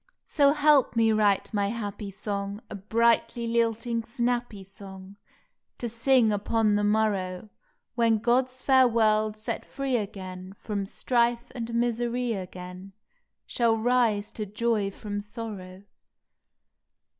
So help me write my happy song, A brightly lilting, snappy song, May Twelfth To sing upon the morrow, When God s fair world set free again From strife and misery again Shall rise to joy from sorrow.